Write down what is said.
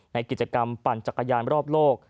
ในกิจกรรมปั่นจักรยานรอบโลก